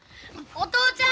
お父ちゃん。